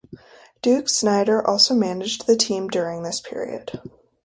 Duke Snider also managed the team during this period.